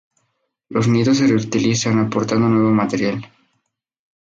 Los nidos se reutilizan aportando nuevo material.